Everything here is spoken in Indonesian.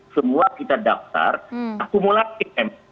semua kita daftar akumulasi